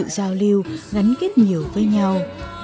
giao lưu gắn kết nhiều với nhau